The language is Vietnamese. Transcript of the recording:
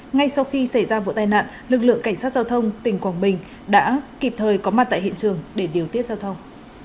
ngay sau khi xảy ra vụ tai nạn lực lượng cảnh sát giao thông tỉnh quảng bình đã kịp thời có mặt tại hiện trường để điều tiết giao thông